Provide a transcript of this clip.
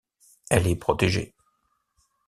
Elle est protégée.